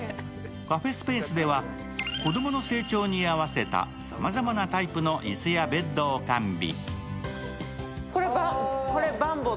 カフェスペースでは子供の成長に合わせたさまざまなタイプの椅子やベッドを完備。